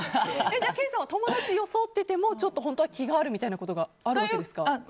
ケイさんは友達を装ってても本当は気があるみたいなことがあるんですか？